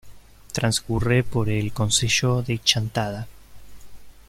Transcurre por el concello de Chantada.